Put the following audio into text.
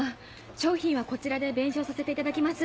商品はこちらで弁償させていただきます。